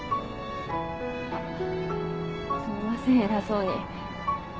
すみません偉そうに。